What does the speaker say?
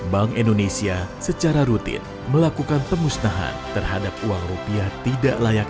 bank indonesia secara rutin melakukan pemusnahan terhadap uang rupiah tidak layak